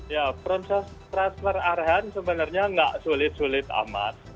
ya proses transfer arhan sebenarnya nggak sulit sulit amat